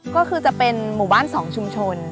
ก็คือจะเป็นหมู่บ้าน๒ชุมชน